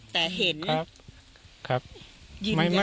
แต่เห็น